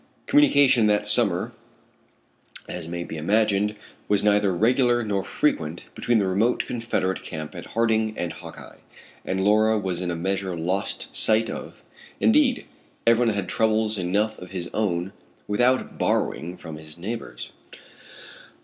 Communication that summer, as may be imagined, was neither regular nor frequent between the remote confederate camp at Harding and Hawkeye, and Laura was in a measure lost sight of indeed, everyone had troubles enough of his own without borrowing from his neighbors.